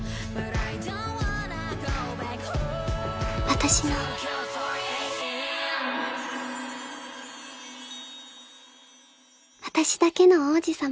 私の私だけの王子様